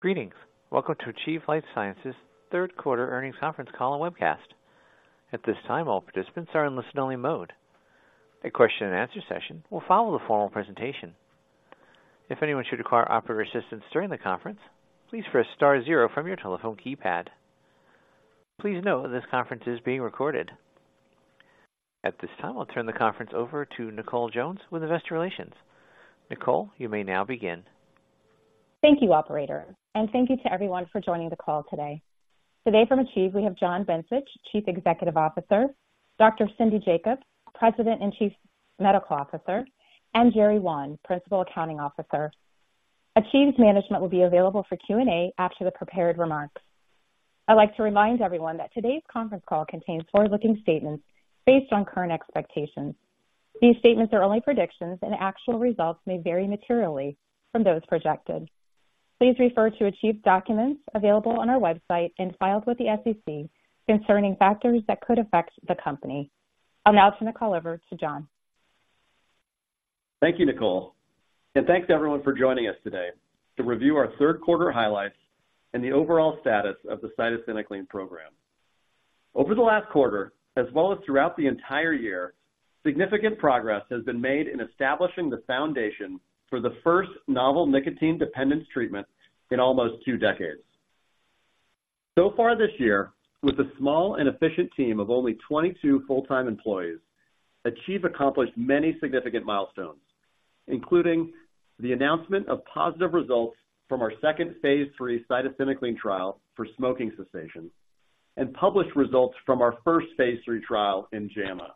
Greetings. Welcome to Achieve Life Sciences' third quarter earnings conference call and webcast. At this time, all participants are in listen-only mode. A question-and-answer session will follow the formal presentation. If anyone should require operator assistance during the conference, please press star zero from your telephone keypad. Please note this conference is being recorded. At this time, I'll turn the conference over to Nicole Jones with Investor Relations. Nicole, you may now begin. Thank you operator, and thank you to everyone for joining the call today. Today from Achieve, we have John Bencich, Chief Executive Officer, Dr. Cindy Jacobs, President and Chief Medical Officer, and Jerry Wan, Principal Accounting Officer. Achieve's management will be available for Q&A after the prepared remarks. I'd like to remind everyone that today's conference call contains forward-looking statements based on current expectations. These statements are only predictions, and actual results may vary materially from those projected. Please refer to Achieve documents available on our website and filed with the SEC concerning factors that could affect the company. I'll now turn the call over to John. Thank you Nicole, and thanks to everyone for joining us today to review our third quarter highlights and the overall status of the cytisinicline program. Over the last quarter, as well as throughout the entire year, significant progress has been made in establishing the foundation for the first novel nicotine dependence treatment in almost two decades. So far this year, with a small and efficient team of only 22 full-time employees, Achieve accomplished many significant milestones, including the announcement of positive results from our second phase III cytisinicline trial for smoking cessation and published results from our first phase III trial in JAMA,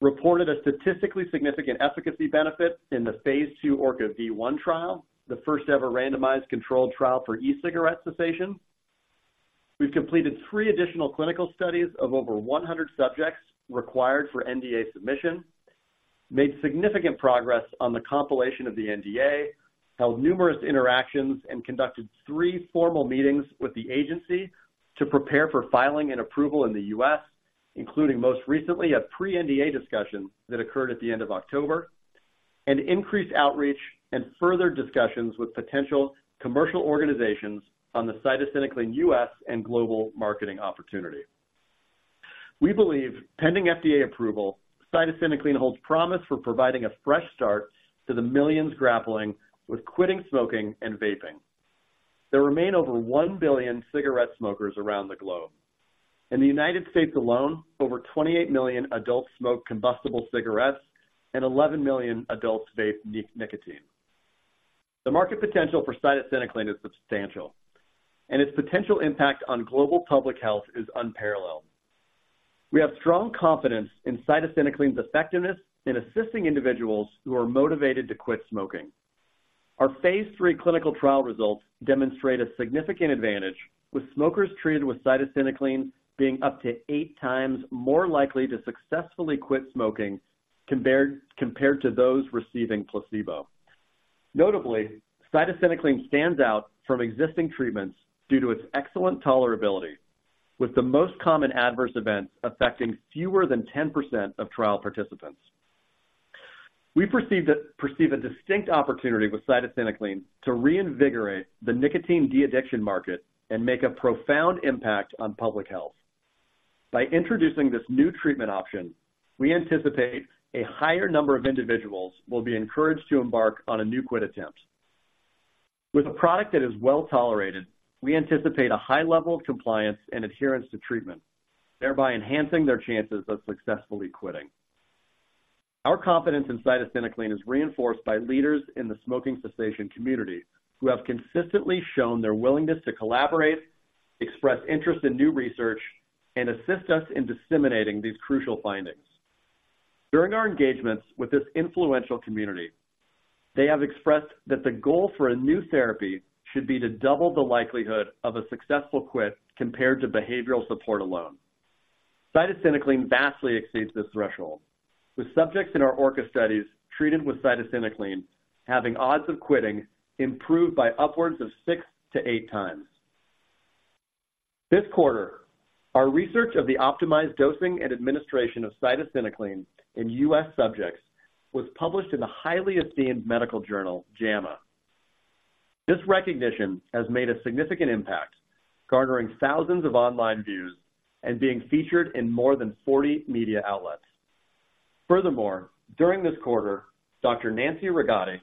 reported a statistically significant efficacy benefit in the phase II ORCA-V1 trial, the first-ever randomized controlled trial for e-cigarette cessation. We've completed three additional clinical studies of over 100 subjects required for NDA submission, made significant progress on the compilation of the NDA, held numerous interactions, and conducted three formal meetings with the agency to prepare for filing and approval in the U.S., including, most recently, a pre-NDA discussion that occurred at the end of October, and increased outreach and further discussions with potential commercial organizations on the cytisinicline U.S. and global marketing opportunity. We believe, pending FDA approval, cytisinicline holds promise for providing a fresh start to the millions grappling with quitting smoking and vaping. There remain over 1 billion cigarette smokers around the globe. In the United States alone, over 28 million adults smoke combustible cigarettes and 11 million adults vape nicotine. The market potential for cytisinicline is substantial, and its potential impact on global public health is unparalleled. We have strong confidence in cytisinicline's effectiveness in assisting individuals who are motivated to quit smoking. Our phase III clinical trial results demonstrate a significant advantage, with smokers treated with cytisinicline being up to eight times more likely to successfully quit smoking compared to those receiving placebo. Notably, cytisinicline stands out from existing treatments due to its excellent tolerability, with the most common adverse events affecting fewer than 10% of trial participants. We perceive a distinct opportunity with cytisinicline to reinvigorate the nicotine addiction market and make a profound impact on public health. By introducing this new treatment option, we anticipate a higher number of individuals will be encouraged to embark on a new quit attempt. With a product that is well tolerated, we anticipate a high level of compliance and adherence to treatment, thereby enhancing their chances of successfully quitting. Our confidence in cytisinicline is reinforced by leaders in the smoking cessation community, who have consistently shown their willingness to collaborate, express interest in new research, and assist us in disseminating these crucial findings. During our engagements with this influential community, they have expressed that the goal for a new therapy should be to double the likelihood of a successful quit compared to behavioral support alone. Cytisinicline vastly exceeds this threshold, with subjects in our ORCA studies treated with cytisinicline having odds of quitting improved by upwards of six to eight times. This quarter, our research of the optimized dosing and administration of cytisinicline in U.S. subjects was published in the highly esteemed medical journal, JAMA. This recognition has made a significant impact, garnering thousands of online views and being featured in more than 40 media outlets. Furthermore, during this quarter, Dr. Nancy Rigotti,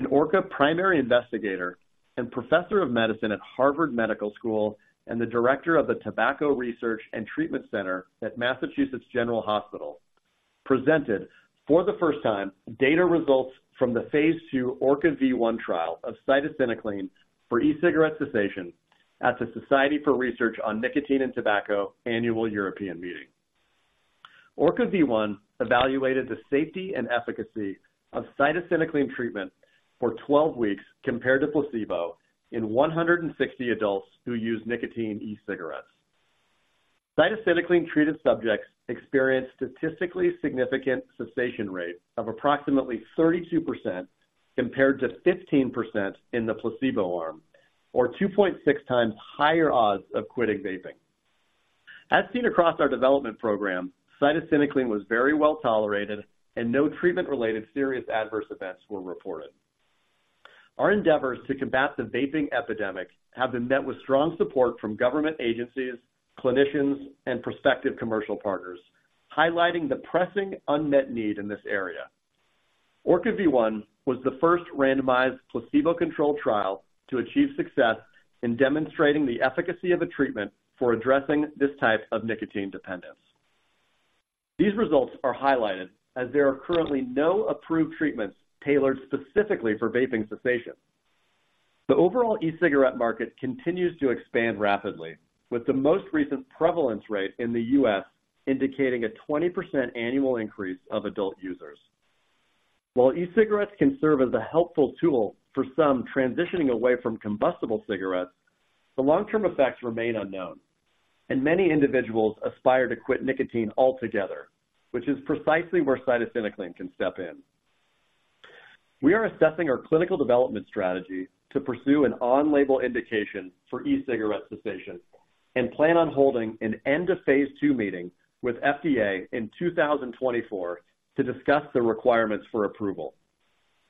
an ORCA primary Investigator and Professor of medicine at Harvard Medical School and the Director of the Tobacco Research and Treatment Center at Massachusetts General Hospital, presented, for the first time, data results from the phase II ORCA-V1 trial of cytisinicline for e-cigarette cessation at the Society for Research on Nicotine and Tobacco Annual European Meeting. ORCA-V1 evaluated the safety and efficacy of cytisinicline treatment for 12 weeks compared to placebo in 160 adults who use nicotine e-cigarettes. Cytisinicline-treated subjects experienced statistically significant cessation rate of approximately 32%, compared to 15% in the placebo arm, or 2.6x higher odds of quitting vaping. As seen across our development program, cytisinicline was very well tolerated and no treatment-related serious adverse events were reported. Our endeavors to combat the vaping epidemic have been met with strong support from government agencies, clinicians, and prospective commercial partners, highlighting the pressing unmet need in this area. ORCA-V1 was the first randomized placebo-controlled trial to achieve success in demonstrating the efficacy of a treatment for addressing this type of nicotine dependence. These results are highlighted as there are currently no approved treatments tailored specifically for vaping cessation. The overall e-cigarette market continues to expand rapidly, with the most recent prevalence rate in the U.S. indicating a 20% annual increase of adult users. While e-cigarettes can serve as a helpful tool for some transitioning away from combustible cigarettes, the long-term effects remain unknown, and many individuals aspire to quit nicotine altogether, which is precisely where cytisinicline can step in. We are assessing our clinical development strategy to pursue an on-label indication for e-cigarette cessation and plan on holding an end-of phase II meeting with FDA in 2024 to discuss the requirements for approval.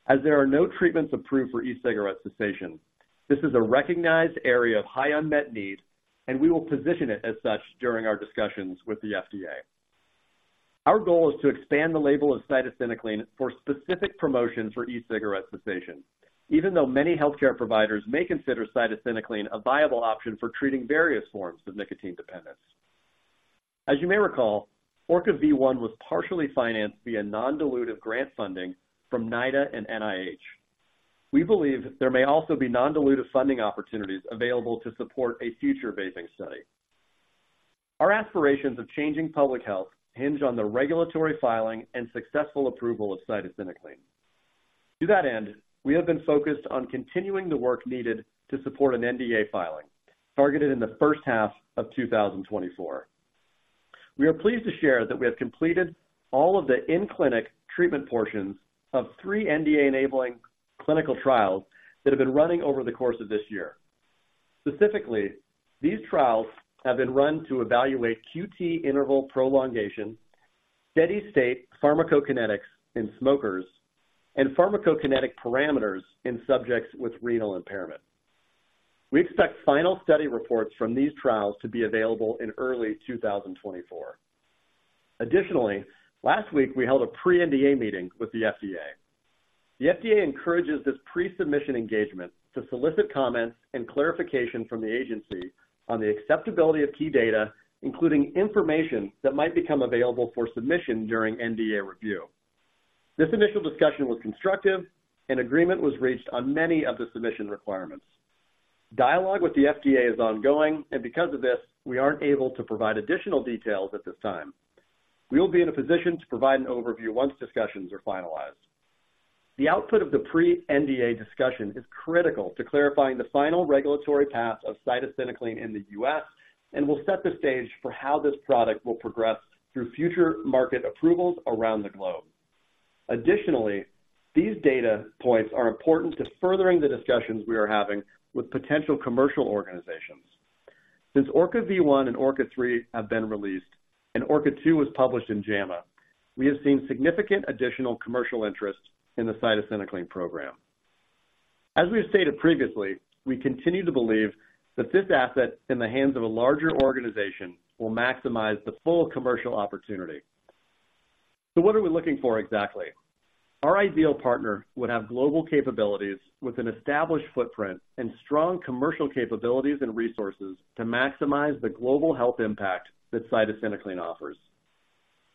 As there are no treatments approved for e-cigarette cessation, this is a recognized area of high unmet need, and we will position it as such during our discussions with the FDA. Our goal is to expand the label of cytisinicline for specific promotions for e-cigarette cessation, even though many healthcare providers may consider cytisinicline a viable option for treating various forms of nicotine dependence. As you may recall, ORCA-V1 was partially financed via non-dilutive grant funding from NIDA and NIH. We believe there may also be non-dilutive funding opportunities available to support a future vaping study. Our aspirations of changing public health hinge on the regulatory filing and successful approval of cytisinicline. To that end, we have been focused on continuing the work needed to support an NDA filing, targeted in the first half of 2024. We are pleased to share that we have completed all of the in-clinic treatment portions of three NDA-enabling clinical trials that have been running over the course of this year. Specifically, these trials have been run to evaluate QT interval prolongation, steady-state pharmacokinetics in smokers, and pharmacokinetic parameters in subjects with renal impairment. We expect final study reports from these trials to be available in early 2024. Additionally, last week, we held a pre-NDA meeting with the FDA. The FDA encourages this pre-submission engagement to solicit comments and clarification from the agency on the acceptability of key data, including information that might become available for submission during NDA review. This initial discussion was constructive and agreement was reached on many of the submission requirements. Dialogue with the FDA is ongoing, and because of this, we aren't able to provide additional details at this time. We will be in a position to provide an overview once discussions are finalized. The output of the pre-NDA discussion is critical to clarifying the final regulatory path of cytisinicline in the U.S. and will set the stage for how this product will progress through future market approvals around the globe. Additionally, these data points are important to furthering the discussions we are having with potential commercial organizations. Since ORCA-V1 and ORCA-3 have been released and ORCA-2 was published in JAMA, we have seen significant additional commercial interest in the cytisinicline program. As we have stated previously, we continue to believe that this asset, in the hands of a larger organization, will maximize the full commercial opportunity. So what are we looking for exactly? Our ideal partner would have global capabilities with an established footprint and strong commercial capabilities and resources to maximize the global health impact that cytisinicline offers.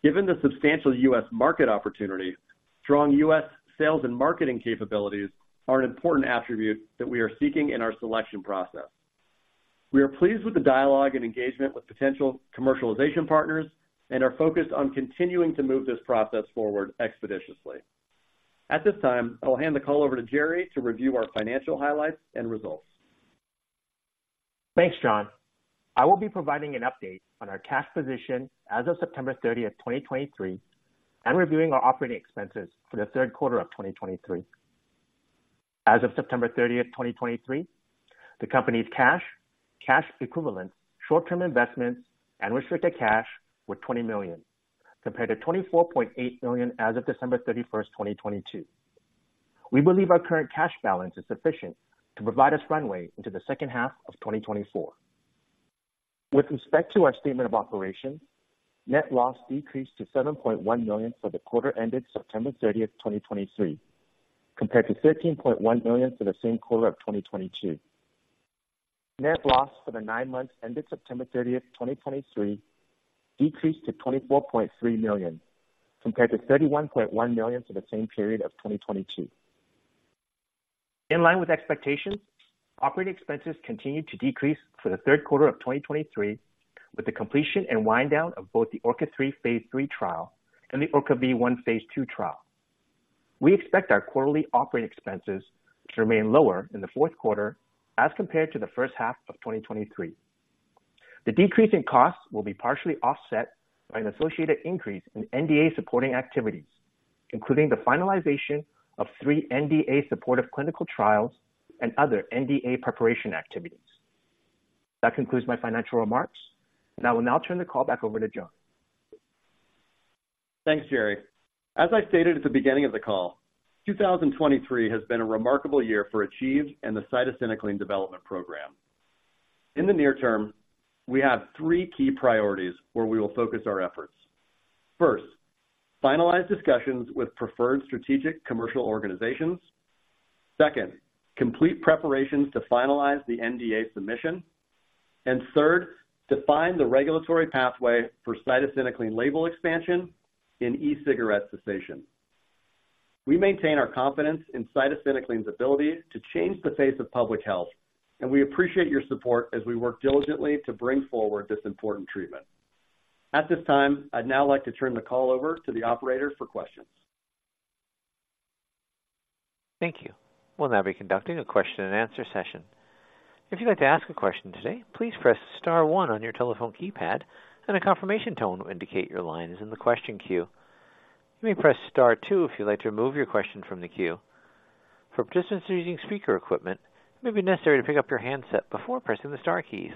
Given the substantial U.S. market opportunity, strong U.S. sales and marketing capabilities are an important attribute that we are seeking in our selection process. We are pleased with the dialogue and engagement with potential commercialization partners and are focused on continuing to move this process forward expeditiously. At this time, I'll hand the call over to Jerry to review our financial highlights and results. Thanks, John. I will be providing an update on our cash position as of September 30, 2023, and reviewing our operating expenses for the third quarter of 2023. As of September 30, 2023, the company's cash, cash equivalent, short-term investments, and restricted cash were $20 million, compared to $24.8 million as of December 31, 2022. We believe our current cash balance is sufficient to provide us runway into the second half of 2024. With respect to our statement of operation, net loss decreased to $7.1 million for the quarter ended September 30, 2023, compared to $13.1 million for the same quarter of 2022. Net loss for the nine months ended September 30, 2023, decreased to $24.3 million, compared to $31.1 million for the same period of 2022. In line with expectations, operating expenses continued to decrease for the third quarter of 2023, with the completion and wind down of both the ORCA-3 phase III trial and the ORCA-V1 phase II trial. We expect our quarterly operating expenses to remain lower in the fourth quarter as compared to the first half of 2023. The decrease in costs will be partially offset by an associated increase in NDA supporting activities, including the finalization of three NDA supportive clinical trials and other NDA preparation activities. That concludes my financial remarks, and I will now turn the call back over to John. Thanks, Jerry. As I stated at the beginning of the call, 2023 has been a remarkable year for Achieve and the cytisinicline development program. In the near term, we have three key priorities where we will focus our efforts. First, finalize discussions with preferred strategic commercial organizations. Second, complete preparations to finalize the NDA submission. Third, define the regulatory pathway for cytisinicline label expansion in e-cigarette cessation. We maintain our confidence in cytisinicline's ability to change the face of public health, and we appreciate your support as we work diligently to bring forward this important treatment. At this time, I'd now like to turn the call over to the operator for questions. Thank you. We'll now be conducting a question-and-answer session. If you'd like to ask a question today, please press star one on your telephone keypad, and a confirmation tone will indicate your line is in the question queue. You may press star two if you'd like to remove your question from the queue. For participants who are using speaker equipment, it may be necessary to pick up your handset before pressing the star keys.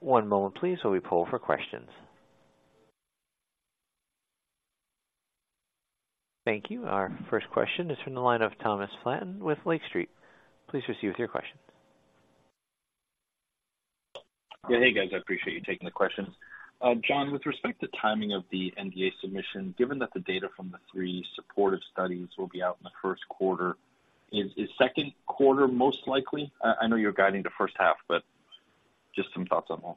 One moment please, while we poll for questions. Thank you. Our first question is from the line of Thomas Flaten with Lake Street. Please proceed with your question. Yeah, hey, guys. I appreciate you taking the questions. John, with respect to timing of the NDA submission, given that the data from the three supportive studies will be out in the first quarter, is second quarter most likely? I know you're guiding the first half, but just some thoughts on both.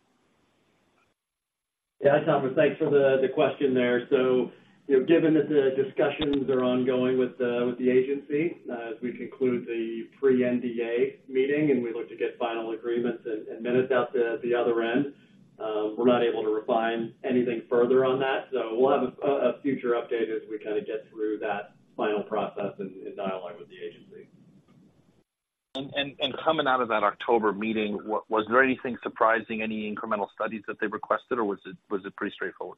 Yeah, Thomas, thanks for the question there. So, you know, given that the discussions are ongoing with the agency, as we conclude the pre-NDA meeting, and we look to get final agreements and minutes out the other end, we're not able to refine anything further on that. So we'll have a future update as we kinda get through that final process and dialogue with the agency. Coming out of that October meeting, what was there anything surprising, any incremental studies that they requested, or was it, was it pretty straightforward?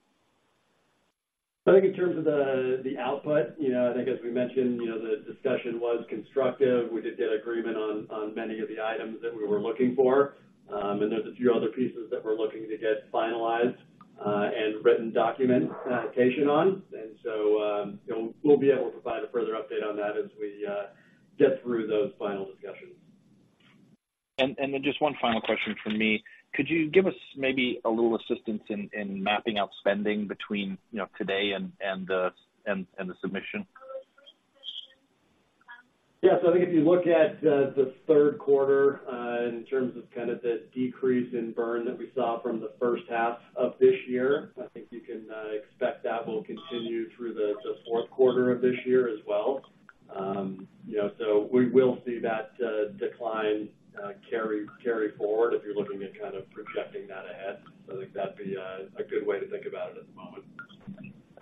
I think in terms of the output, you know, I think as we mentioned, you know, the discussion was constructive. We did get agreement on many of the items that we were looking for. And there's a few other pieces that we're looking to get finalized, and written document clarification on. And so, you know, we'll be able to provide a further update on that as we get through those final discussions. Then just one final question from me. Could you give us maybe a little assistance in mapping out spending between, you know, today and the submission? Yeah. So I think if you look at the third quarter in terms of kind of the decrease in burn that we saw from the first half of this year, I think you can expect that will continue through the fourth quarter of this year as well. You know, so we will see that decline carry forward if you're looking at kind of projecting that ahead. I think that'd be a good way to think about it at the moment.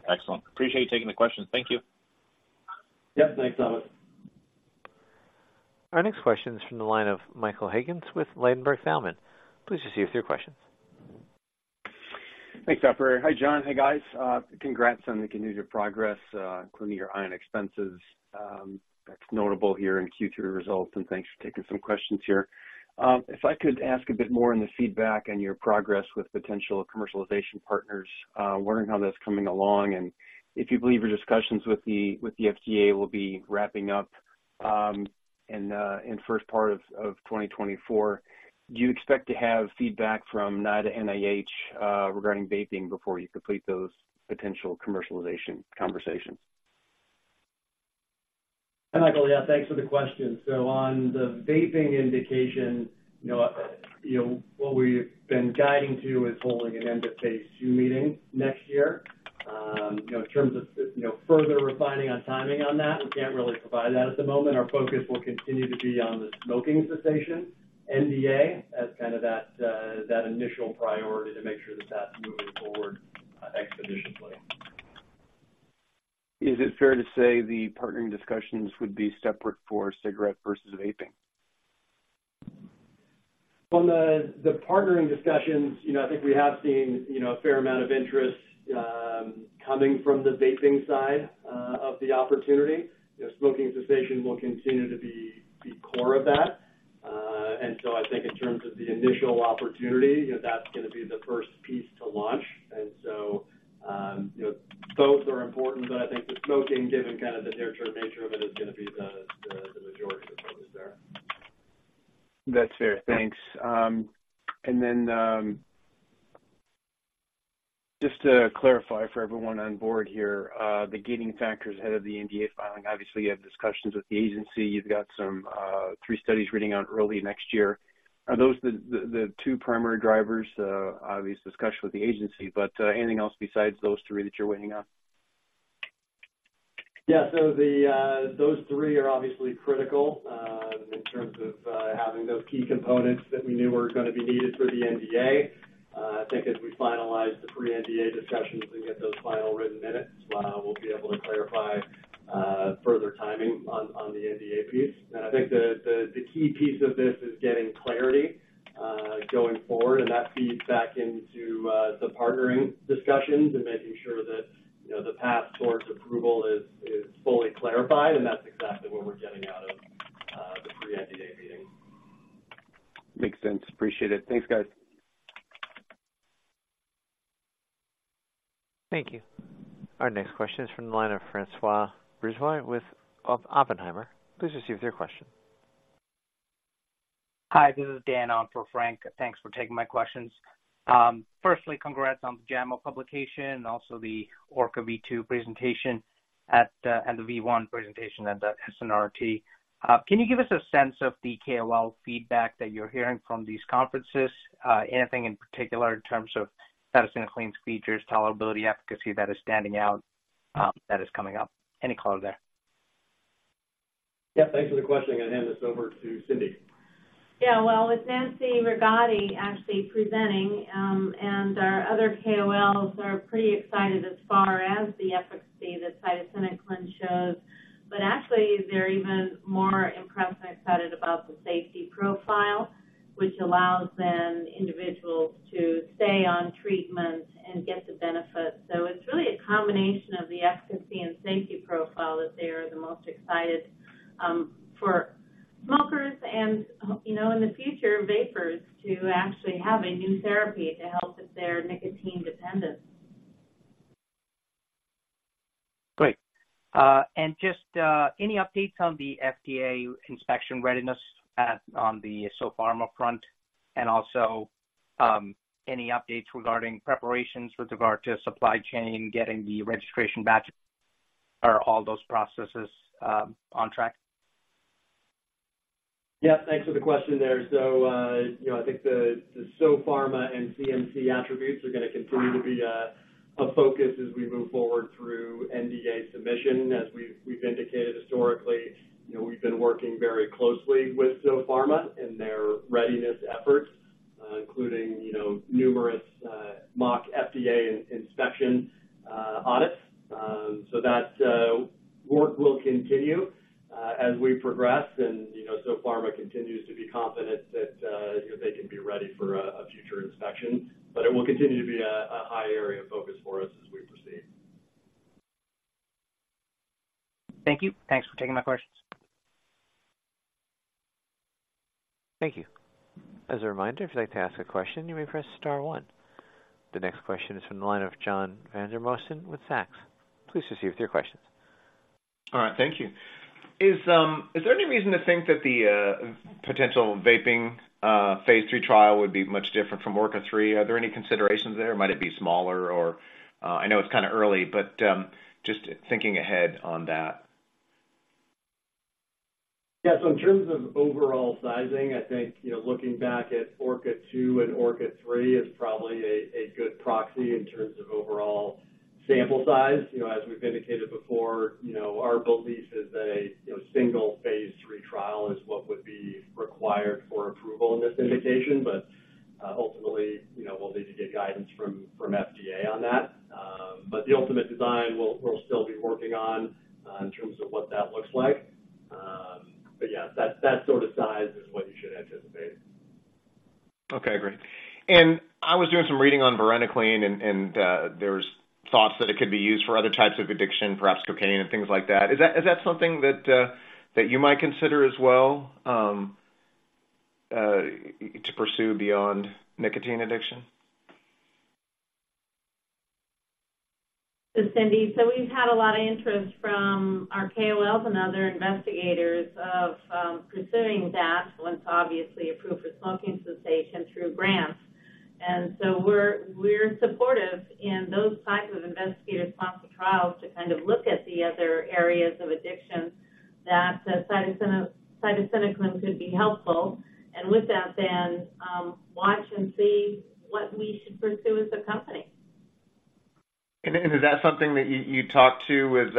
Excellent. Appreciate you taking the questions. Thank you. Yep. Thanks Thomas. Our next question is from the line of Michael Higgins with Ladenburg Thalmann. Please proceed with your questions. Thanks, operator. Hi, John. Hey, guys. Congrats on the continued progress, including your R&D expenses. That's notable here in Q3 results, and thanks for taking some questions here. If I could ask a bit more on the feedback and your progress with potential commercialization partners, wondering how that's coming along, and if you believe your discussions with the, with the FDA will be wrapping up in the first part of 2024. Do you expect to have feedback from NIDA NIH regarding vaping before you complete those potential commercialization conversations? Hi, Michael. Yeah, thanks for the question. So on the vaping indication, you know, you know, what we've been guiding to is holding an end-of-phase II meeting next year. You know, in terms of, you know, further refining on timing on that, we can't really provide that at the moment. Our focus will continue to be on the smoking cessation NDA as kind of that, that initial priority to make sure that that's moving forward, expeditiously. Is it fair to say the partnering discussions would be separate for cigarette versus vaping? On the partnering discussions, you know, I think we have seen, you know, a fair amount of interest coming from the vaping side of the opportunity. You know, smoking cessation will continue to be the core of that. And so I think in terms of the initial opportunity, you know, that's gonna be the first piece to launch. And so, you know, both are important, but I think the smoking, given kind of the near-term nature of it, is gonna be the majority of the focus there. That's fair. Thanks. And then, just to clarify for everyone on board here, the gating factors ahead of the NDA filing, obviously, you have discussions with the agency. You've got some three studies reading out early next year. Are those the two primary drivers? Obvious discussion with the agency, but anything else besides those three that you're waiting on? Yeah. So those three are obviously critical in terms of having those key components that we knew were gonna be needed for the NDA. I think as we finalize the pre-NDA discussions and get those final written minutes, we'll be able to clarify further timing on the NDA piece. And I think the key piece of this is getting clarity going forward, and that feeds back into the partnering discussions and making sure that, you know, the path towards approval is fully clarified, and that's exactly what we're getting out of the pre-NDA meeting. Makes sense. Appreciate it. Thanks, guys. Thank you. Our next question is from the line of François Brisebois with Oppenheimer. Please proceed with your question. Hi, this is Dan on for Frank. Thanks for taking my questions. Firstly, congrats on the JAMA publication and also the ORCA-V2 presentation at the, and the V1 presentation at the SRNT. Can you give us a sense of the KOL feedback that you're hearing from these conferences? Anything in particular in terms of cytisinicline's features, tolerability, efficacy, that is standing out, that is coming up? Any color there. Yeah, thanks for the question. I'm going to hand this over to Cindy. Yeah, well, with Nancy Rigotti actually presenting, and our other KOLs are pretty excited as far as the efficacy that cytisinicline shows. But actually, they're even more impressed and excited about the safety profile, which allows then individuals to stay on treatment and get the benefit. So it's really a combination of the efficacy and safety profile that they are the most excited, for smokers and, you know, in the future, vapers to actually have a new therapy to help with their nicotine dependence. Great. And just any updates on the FDA inspection readiness at, on the Sopharma front, and also any updates regarding preparations with regard to supply chain, getting the registration batch? Are all those processes on track? Yeah, thanks for the question there. So, you know, I think the, the Sopharma and CMC attributes are going to continue to be a, a focus as we move forward through NDA submission. As we've, we've indicated historically, you know, we've been working very closely with Sopharma and their readiness efforts, including, you know, numerous, mock FDA inspection, audits. So that, work will continue, as we progress. And, you know, Sopharma continues to be confident that, they can be ready for a, a future inspection, but it will continue to be a, a high area of focus for us as we proceed. Thank you. Thanks for taking my questions. Thank you. As a reminder, if you'd like to ask a question, you may press star one. The next question is from the line of John Vandermosten with Zacks. Please proceed with your questions. All right, thank you. Is there any reason to think that the potential vaping phase III trial would be much different from ORCA-3? Are there any considerations there? Might it be smaller or I know it's kind of early, but just thinking ahead on that? Yeah, so in terms of overall sizing, I think, you know, looking back at ORCA-2 and ORCA-3 is probably a good proxy in terms of overall sample size. You know, as we've indicated before, you know, our belief is, you know, single phase III trial is what would be required for approval in this indication, but ultimately, you know, we'll need to get guidance from FDA on that. But the ultimate design, we'll still be working on, in terms of what that looks like. But yeah, that sort of size is what you should anticipate. Okay, great. And I was doing some reading on varenicline, and there's thoughts that it could be used for other types of addiction, perhaps cocaine and things like that. Is that something that you might consider as well to pursue beyond nicotine addiction? This is Cindy. So we've had a lot of interest from our KOLs and other investigators of considering that once obviously approved for smoking cessation through grants. And so we're, we're supportive in those types of investigator-sponsored trials to kind of look at the other areas of addiction that cytisinicline could be helpful. And with that then, watch and see what we should pursue as a company. Is that something that you talk to with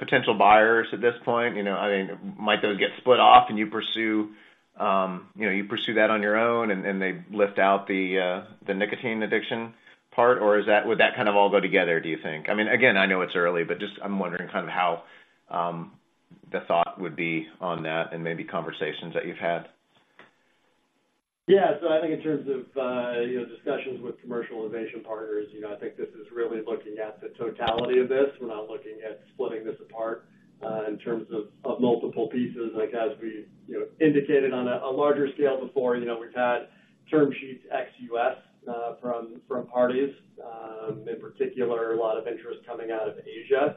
potential buyers at this point? You know, I mean, might those get split off and you pursue, you know, you pursue that on your own and, and they lift out the, the nicotine addiction part? Or is that, would that kind of all go together, do you think? I mean, again, I know it's early, but just I'm wondering kind of how the thought would be on that and maybe conversations that you've had. Yeah. So I think in terms of, you know, discussions with commercialization partners, you know, I think this is really looking at the totality of this. We're not looking at splitting this apart, in terms of of multiple pieces. Like as we, you know, indicated on a larger scale before, you know, we've had term sheets ex U.S., from parties, in particular, a lot of interest coming out of Asia.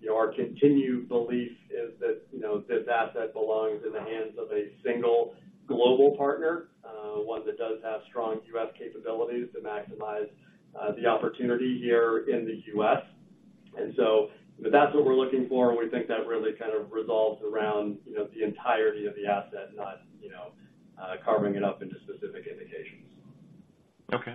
You know, our continued belief is that, you know, this asset belongs in the hands of a single global partner, one that does have strong U.S. capabilities to maximize, the opportunity here in the U.S. And so that's what we're looking for, and we think that really kind of revolves around, you know, the entirety of the asset, not, you know, carving it up into specific indications. Okay.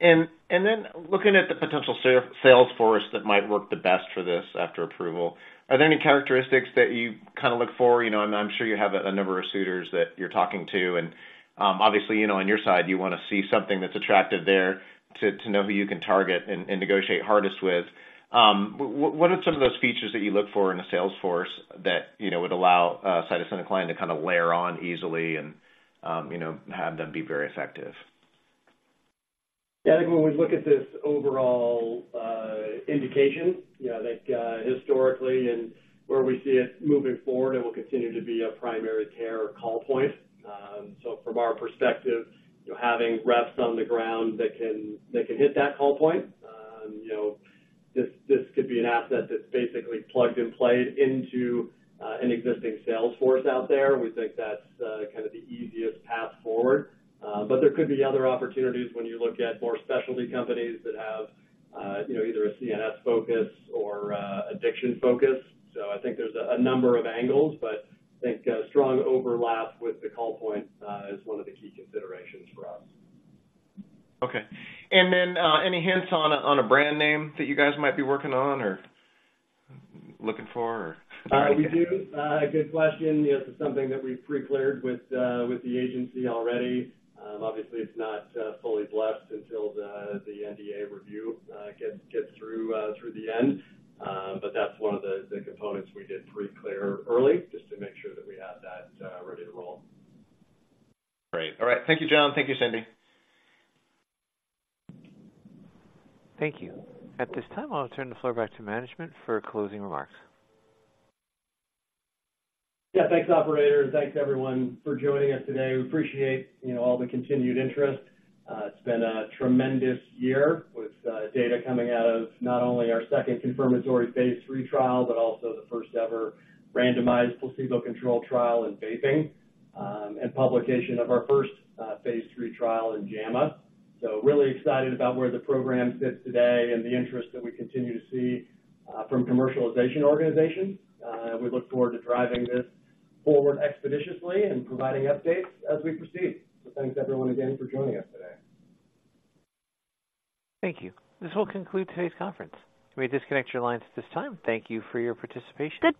And then looking at the potential sales force that might work the best for this after approval, are there any characteristics that you kind of look for? You know, and I'm sure you have a number of suitors that you're talking to, and obviously, you know, on your side, you want to see something that's attractive there to know who you can target and negotiate hardest with. What are some of those features that you look for in a sales force that, you know, would allow cytisinicline to kind of layer on easily and, you know, have them be very effective?... Yeah, I think when we look at this overall indication, you know, that historically and where we see it moving forward, it will continue to be a primary care call point. So from our perspective, you know, having reps on the ground that can hit that call point, you know, this could be an asset that's basically plugged and played into an existing sales force out there. We think that's kind of the easiest path forward. But there could be other opportunities when you look at more specialty companies that have, you know, either a CNS focus or addiction focus. So I think there's a number of angles, but I think a strong overlap with the call point is one of the key considerations for us. Okay. And then, any hints on a, on a brand name that you guys might be working on or looking for or? We do. Good question. This is something that we've pre-cleared with the agency already. Obviously, it's not fully blessed until the NDA review gets through the end. But that's one of the components we did pre-clear early just to make sure that we had that ready to roll. Great. All right. Thank you, John. Thank you, Cindy. Thank you. At this time, I'll turn the floor back to management for closing remarks. Yeah. Thanks, operator, and thanks everyone for joining us today. We appreciate, you know, all the continued interest. It's been a tremendous year with data coming out of not only our second confirmatory phase III trial, but also the first-ever randomized placebo-controlled trial in vaping, and publication of our first phase III trial in JAMA. So really excited about where the program sits today and the interest that we continue to see from commercialization organizations. We look forward to driving this forward expeditiously and providing updates as we proceed. So thanks everyone again for joining us today. Thank you. This will conclude today's conference. You may disconnect your lines at this time. Thank you for your participation.